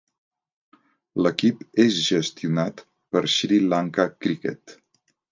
L'equip és gestionat per Sri Lanka Cricket.